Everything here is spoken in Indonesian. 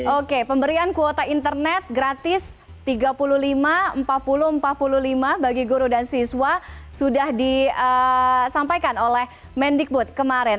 oke pemberian kuota internet gratis tiga puluh lima empat puluh empat puluh lima bagi guru dan siswa sudah disampaikan oleh mendikbud kemarin